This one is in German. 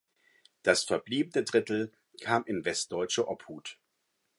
Das verbliebene Drittel kam in westdeutsche Obhut.